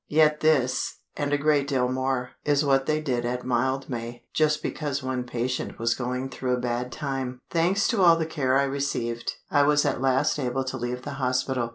Yet this—and a great deal more—is what they did at Mildmay, just because one patient was going through a bad time. Thanks to all the care I received, I was at last able to leave the hospital.